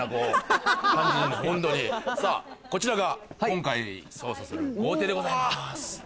こちらが今回、捜査する豪邸でございます。